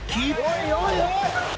おいおいおい！